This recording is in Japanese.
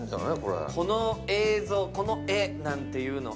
この映像、この画なんていうのを。